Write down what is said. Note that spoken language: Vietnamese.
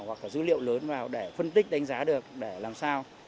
hoặc là dữ liệu lớn vào để phân tích đánh giá được để làm sao